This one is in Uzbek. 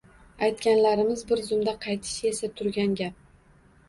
Aytganlarimiz bir zumda qaytishi esa, turgan gap..